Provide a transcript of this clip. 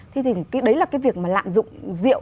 thì đấy là cái việc mà lạm dụng rượu